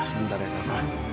sebentar ya pak